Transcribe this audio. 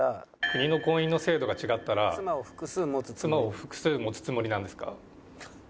国の婚姻の制度が違ったら妻を複数持つつもりなんですか？